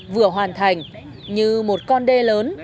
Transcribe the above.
vừa hoàn thành như một con đê lớn